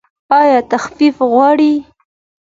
ایا تخفیف غواړئ؟